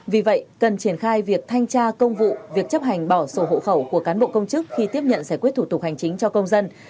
vì vậy cần triển khai việc thanh tra công vụ việc chấp hành bỏ sổ hộ khẩu của cán bộ công chức khi tiếp nhận giải quyết thủ tục hành chính cho công dân